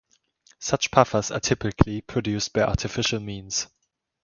Such puffers are typically produced by artificial means.